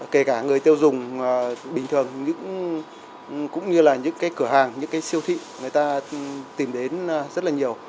kể cả người tiêu dùng bình thường cũng như là những cái cửa hàng những cái siêu thị người ta tìm đến rất là nhiều